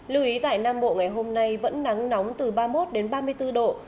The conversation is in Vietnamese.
lưu ý tại nam bộ ngày hôm nay vẫn nắng nóng từ ba mươi một đến ba mươi bốn độ